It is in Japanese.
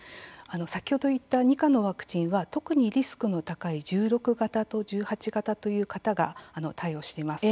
先ほど言った２価のワクチンは特にリスクの高い１６型と１８型という型が対応しています。